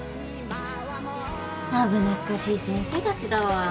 危なっかしい先生たちだわ。